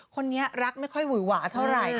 คนนี้รักไม่ค่อยหวั่วเท่าไร